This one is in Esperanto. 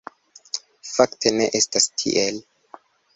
Fakte ne estas tiel.